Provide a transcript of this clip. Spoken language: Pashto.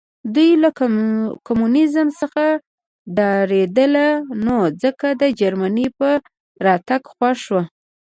دوی له کمونیزم څخه ډارېدل نو ځکه د جرمني په راتګ خوښ وو